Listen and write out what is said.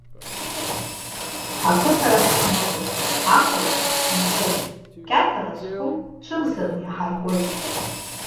Ақыҭа рахь ҳныҟәоит, ақалақь аҿы ҳаҟоуп, кьаҭара зқәым цәымзаны иаҳаркуоит.